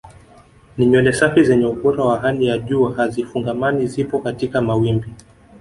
Ni nywele safi zenye ubora wa hali ya juu hazifungamani zipo katika mawimbi